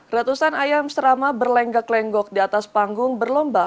ratusan ayam serama berlenggak lenggok di atas panggung berlomba